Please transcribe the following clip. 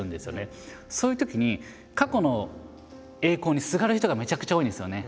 そういうときに過去の栄光にすがる人がめちゃくちゃ多いんですよね。